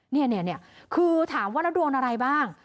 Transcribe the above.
นี่คือถามวันรุ่นอะไรบ้าง